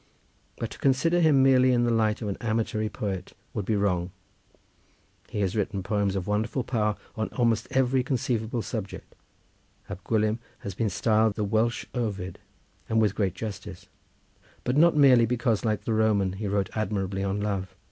But to consider him merely in the light of an amatory poet would be wrong. He has written poems of wonderful power on almost every conceivable subject. Ab Gwilym has been styled the Welsh Ovid, and with great justice, but not merely because like the Roman he wrote admirably on love.